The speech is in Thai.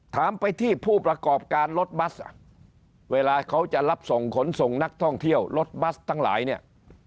ถามไปที่ผู้ประกอบการรถบัสเวลาเขาจะรับส่งขนส่งนักท่องเที่ยวรถบัสทั้งหลายเนี่ย